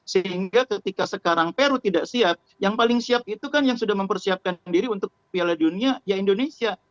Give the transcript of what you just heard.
sehingga ketika sekarang peru tidak siap yang paling siap itu kan yang sudah mempersiapkan diri untuk piala dunia ya indonesia